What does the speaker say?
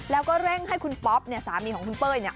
แล้วก็เร่งให้คุณป๊อปเนี่ยสามีของคุณเป้ยเนี่ย